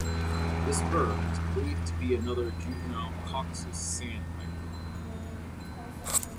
This bird was believed to be another juvenile "Cox's sandpiper".